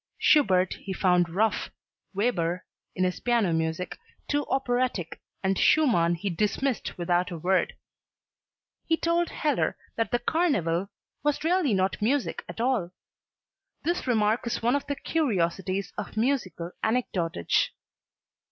Schubert he found rough, Weber, in his piano music, too operatic and Schumann he dismissed without a word. He told Heller that the "Carneval" was really not music at all. This remark is one of the curiosities of musical anecdotage.